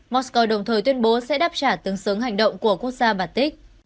moscow đồng thời tuyên bố sẽ đáp trả tương xứng hành động của quốc gia batic